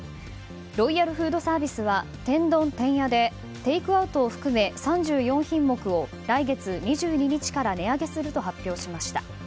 ロイヤルフードサービスは天丼てんやでテイクアウトを含め３４品目を来月２２日から値上げすると発表しました。